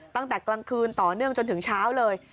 ตั้งแต่กลางคืนต่อเนื่องจนถึงเช้าเลย